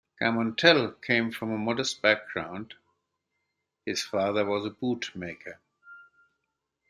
Carmontelle came from a modest background- his father was a bootmaker.